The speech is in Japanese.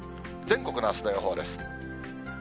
全国のあすの予報です。